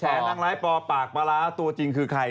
นางร้ายปอปากปลาร้าตัวจริงคือใคร